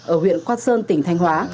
ở huyện quang sơn tỉnh thanh hóa